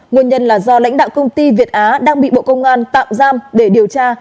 nguồn nhân là do lãnh đạo công ty việt á đang bị bộ công an tạm giam để điều tra